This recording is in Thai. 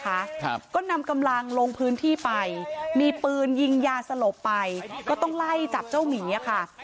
ครับก็นำกำลังลงพื้นที่ไปมีปืนยิงยาสลบไปก็ต้องไล่จับเจ้าหมีอ่ะค่ะ